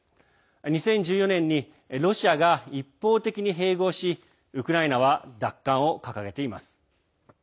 ２０１４年にロシアが一方的に併合しウクライナは奪還を掲げています。